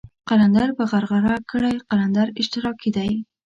قلندر په غرغره کړئ قلندر اشتراکي دی.